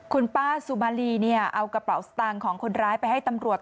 คุณป้าสุมารีเนี่ยเอากระเป๋าสตางค์ของคนร้ายไปให้ตำรวจ